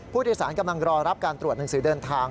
ผู้โดยสารกำลังรอรับการตรวจหนังสือเดินทาง